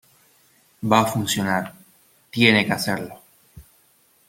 va a funcionar. tiene que hacerlo .